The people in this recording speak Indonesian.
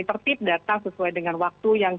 tertib datang sesuai dengan waktu yang